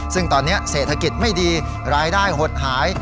ซึ่งตอนนี้เศรษฐกิจไม่ดีรายได้หดหาย